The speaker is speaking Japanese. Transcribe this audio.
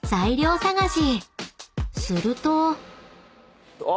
［すると］あ！